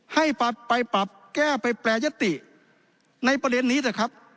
ให้ไปปรับแก้ไปแปรยติในประเด็นนี้เถอะครับ